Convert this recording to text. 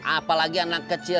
apalagi anak kecil